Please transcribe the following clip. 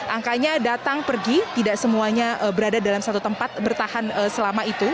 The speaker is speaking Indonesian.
angkanya datang pergi tidak semuanya berada dalam satu tempat bertahan selama itu